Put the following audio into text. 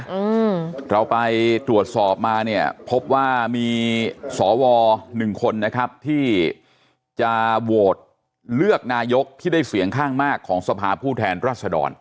อืมเราไปตรวจสอบมาเนี่ยพบว่ามีสอวอหนึ่งคนนะครับที่จะโหวตเลือกนายกที่ได้เสียงข้างมากของสภาผู้แทนรัศดร